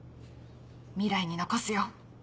未来に残すよ。